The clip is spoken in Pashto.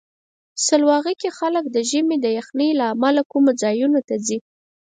سلواغه کې خلک د ژمي د یخنۍ له امله کمو ځایونو ته ځي.